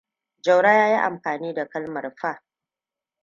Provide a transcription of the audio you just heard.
Jauro ya yi amfani da kalmar F.